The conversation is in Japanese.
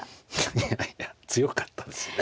いやいや強かったですね。